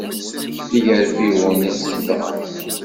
D igarfiwen i tt-izedɣen.